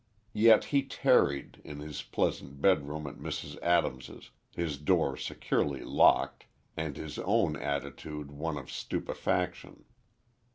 Yet he tarried, in his pleasant bedroom at Mrs. Adams', his door securely locked, and his own attitude one of stupefaction.